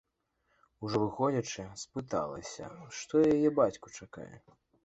Ужо выходзячы, спыталася, што яе бацьку чакае.